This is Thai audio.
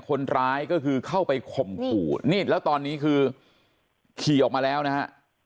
คนร้ายก็คือเข้าไปข่มขู่นี่แล้วตอนนี้คือขี่ออกมาแล้วนะฮะ